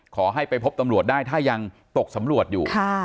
ขอให้ไปพบตำรวจได้ถ้ายังตกสำรวจอยู่